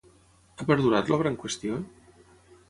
Ha perdurat l'obra en qüestió?